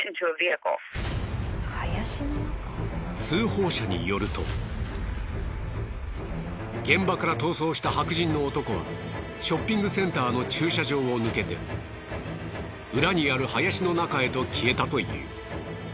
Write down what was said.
通報者によると現場から逃走した白人の男はショッピングセンターの駐車場を抜けて裏にある林の中へと消えたという。